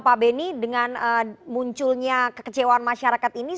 apakah kemudian munculnya kekecewaan masyarakat ini